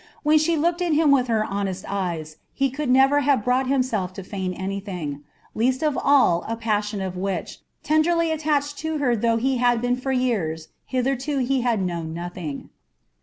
When she looked at him with her honest eyes, he could never have brought himself to feign anything, least of all a passion of which, tenderly attached to her though he had been for years, hitherto he had known nothing.